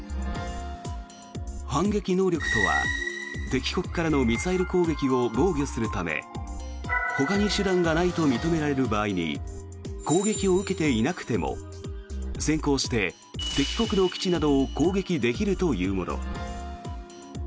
反撃能力とは、敵国からのミサイル攻撃を防御するためほかに手段がないと認められる場合に攻撃を受けていなくても先行して敵国の基地などを攻撃できるというもの。